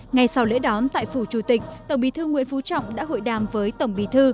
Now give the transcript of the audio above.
ngày sau lễ đón tại phủ chủ tịch tổng bí thư nguyễn phú trọng đã hội đàm với tổng bí thư